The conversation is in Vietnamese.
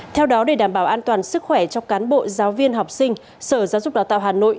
theo đó để đảm bảo an toàn sức khỏe cho cán bộ giáo viên học sinh sở giáo dục đào tạo hà nội